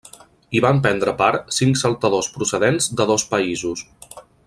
Hi van prendre part cinc saltadors procedents de dos països.